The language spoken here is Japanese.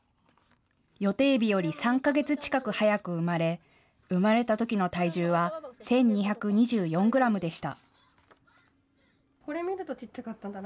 予定日より３か月近く早く生まれ、生まれたときの体重は１２２４グラムでした。